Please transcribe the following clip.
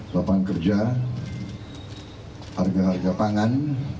lapangan kerja harga harga pangan